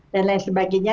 dan lain sebagainya